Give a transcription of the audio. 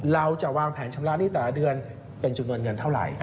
เราจะวางแผนชำระหนี้แต่ละเดือนเป็นจำนวนเงินเท่าไหร่